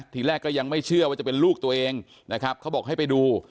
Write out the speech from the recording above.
ทีแรกก็ยังไม่เชื่อว่าจะเป็นลูกตัวเองนะครับเขาบอกให้ไปดู